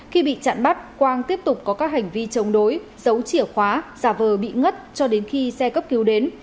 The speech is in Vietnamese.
khi bị chặn bắt quang tiếp tục có các hành vi chống đối giấu chìa khóa giả vờ bị ngất cho đến khi xe cấp cứu đến